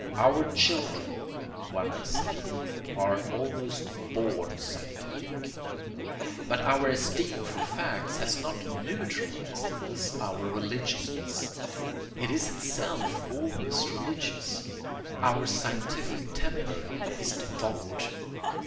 Our children, one may say, are almost born scientific. But our esteem for facts has not neutralized in us all religiousness. It is itself almost religious. Our scientific temper is devout.